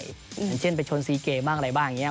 อย่างเช่นไปชนซีเกมบ้างอะไรบ้างอย่างนี้